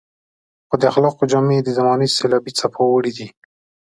خو د اخلاقو جامې يې د زمانې سېلابي څپو وړي دي.